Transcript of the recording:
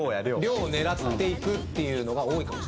「良」を狙っていくっていうのが多いかもしれないですね。